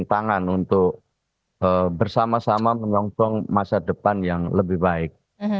tantangan untuk bersama sama menyongkong masa depan yang lebih baik